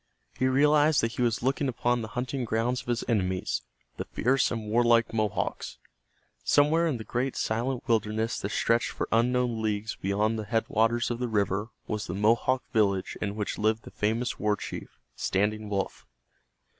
He realized that he was looking upon the hunting grounds of his enemies, the fierce and warlike Mohawks. Somewhere in the great silent wilderness that stretched for unknown leagues beyond the headwaters of the river was the Mohawk village in which lived the famous war chief, Standing Wolf.